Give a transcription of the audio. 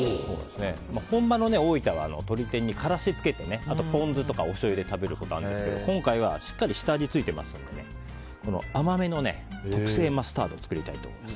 本場の大分は鶏天にからしをつけてあとポン酢とかおしょうゆで食べるとかあるんですけど今回はしっかり下味ついてますので甘めの特製マスタードを作りたいと思います。